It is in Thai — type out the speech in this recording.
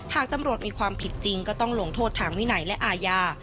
หากตำรวจมีความผิดจริงก็ต้องลงโทษทางวินัยและอาญา